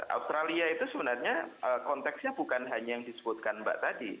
australia itu sebenarnya konteksnya bukan hanya yang disebutkan mbak tadi